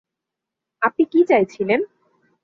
আপনি, কি চাইছিলেন?